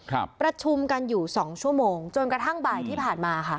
ครับประชุมกันอยู่สองชั่วโมงจนกระทั่งบ่ายที่ผ่านมาค่ะ